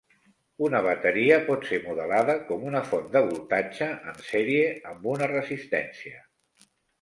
Una bateria pot ser modelada com una font de voltatge en sèrie amb una resistència.